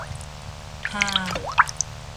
- ฮา